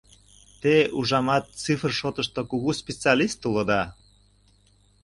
— Те, ужамат, цифр шотышто кугу специалист улыда.